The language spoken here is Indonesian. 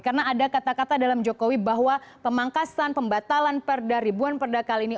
karena ada kata kata dalam jokowi bahwa pemangkasan pembatalan ribuan perda kali ini